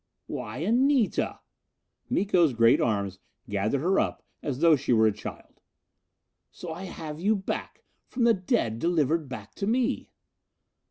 "Why, Anita!" Miko's great arms gathered her up as though she were a child. "So I have you back; from the dead delivered back to me!"